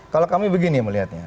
kalau kami begini melihatnya